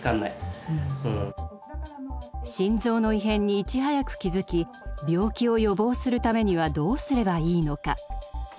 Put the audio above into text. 心臓の異変にいち早く気づき病気を予防するためにはどうすればいいのか。